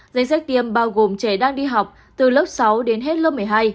danh sách tiêm bao gồm trẻ đang đi học từ lớp sáu đến hết lớp một mươi hai